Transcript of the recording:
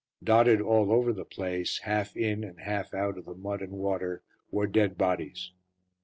Dotted all over the place, half in and half out of the mud and water, were dead bodies.